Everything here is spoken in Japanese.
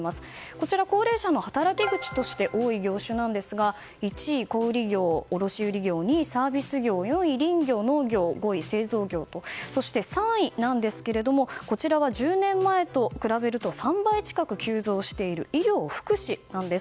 こちら、高齢者の働き口として多い業種ですが１位、卸業・小売業２位はサービス業４位が林業・農業５位、製造業とそして３位なんですけれどもこちらは１０年前と比べると３倍近く急増している医療・福祉なんです。